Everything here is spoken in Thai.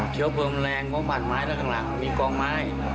เชื้อเพลิงแรงของป่านไม้และข้างหลังมีกองไม้